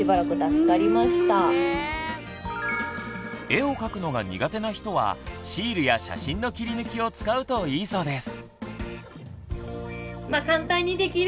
絵を描くのが苦手な人はシールや写真の切り抜きを使うといいそうです。